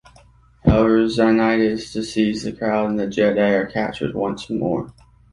However, Xanatos deceives the crowd and the Jedi are captured once more.